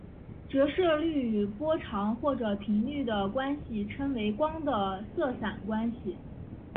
折射率与波长或者频率的关系称为光的色散关系。